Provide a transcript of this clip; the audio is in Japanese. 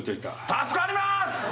助かります！